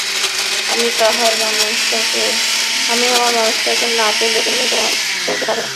আমি আমার মানুষটাকে না পেলে, তুমিও তোমারজনকে পাবে না।